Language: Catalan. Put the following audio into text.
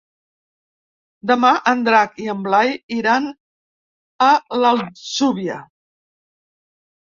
Demà en Drac i en Blai iran a l'Atzúbia.